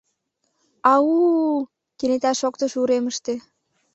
— А-у-у!.. — кенета шоктыш уремыште.